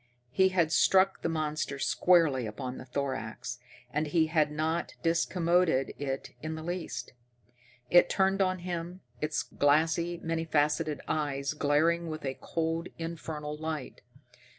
He had struck the monster squarely upon the thorax, and he had not discommoded it in the least. It turned on him, its glassy, many faceted eyes glaring with a cold, infernal light.